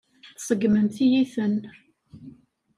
Tseggmemt-iyi-ten.